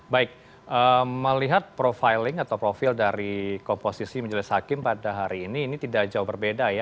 baik melihat profiling atau profil dari komposisi majelis hakim pada hari ini ini tidak jauh berbeda ya